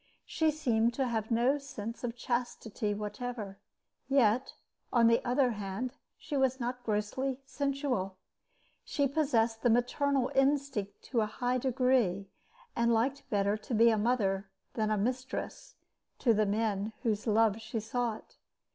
She seemed to have no sense of chastity whatever; yet, on the other hand, she was not grossly sensual. She possessed the maternal instinct to a high degree, and liked better to be a mother than a mistress to the men whose love she sought.